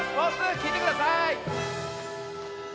きいてください！